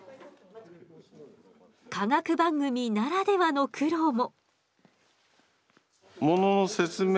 科学番組ならではの苦労も。